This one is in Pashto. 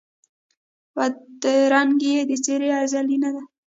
بدرنګي یې د څېرې ازلي نه ده